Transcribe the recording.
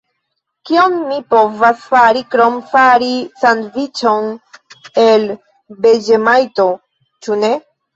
Kion mi povas fari krom fari sandviĉon el veĝemajto, ĉu ne?